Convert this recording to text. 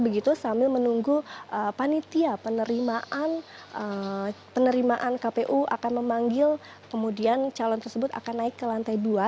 begitu sambil menunggu panitia penerimaan penerimaan kpu akan memanggil kemudian calon tersebut akan naik ke lantai dua